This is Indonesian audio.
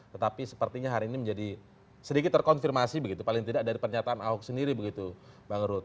tetapi sepertinya hari ini menjadi sedikit terkonfirmasi begitu paling tidak dari pernyataan ahok sendiri begitu bang ruth